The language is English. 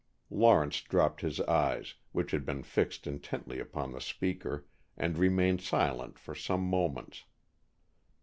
Lawrence dropped his eyes, which had been fixed intently upon the speaker, and remained silent for some moments.